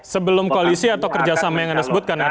sebelum koalisi atau kerjasama yang anda sebutkan artinya ya